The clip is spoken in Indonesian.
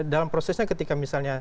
dalam prosesnya ketika misalnya